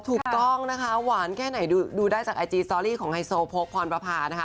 ถูกต้องนะคะหวานแค่ไหนดูได้จากไอจีสตอรี่ของไฮโซโพกพรประพานะคะ